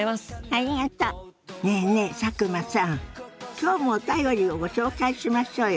今日もお便りをご紹介しましょうよ。